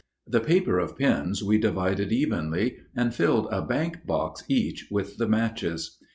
The paper of pins we divided evenly, and filled a bank box each with the matches.